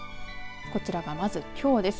こちらが、まずきょうです。